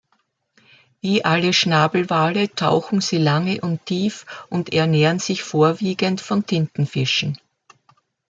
Wie alle Schnabelwale tauchen sie lange und tief und ernähren sich vorwiegend von Tintenfischen.